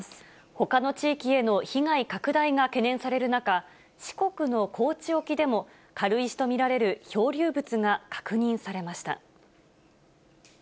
ほかの地域への被害拡大が懸念される中、四国の高知沖でも軽石と見られる漂流物が確認されました。